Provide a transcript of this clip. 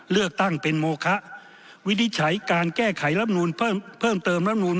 เลือกตั้งเป็นโมคะวินิจฉัยการแก้ไขรับนูลเพิ่มเติมรับนูล